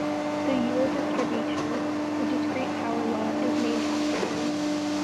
The Yule distribution, a discrete power law, is named after him.